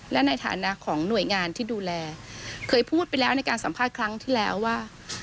และในฐานะของหน่วยงานที่ดูแลเคยพูดไปแล้วในการสัมภาษณ์ครั้งที่แล้วว่า